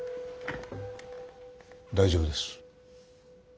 大丈夫です。